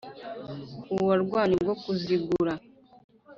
uwarwanye ubwo kuzigura